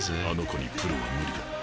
あの子にプロは無理だ。